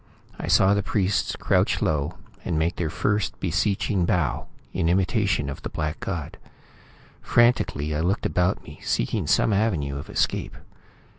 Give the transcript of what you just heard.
I saw the priests crouch low, and make their first beseeching bow, in imitation of the black god. Frantically, I looked about me, seeking some avenue of escape.